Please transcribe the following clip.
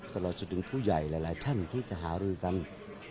ตลอดจนถึงผู้ใหญ่หลายท่านที่จะหารือกัน